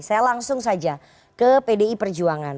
saya langsung saja ke pdi perjuangan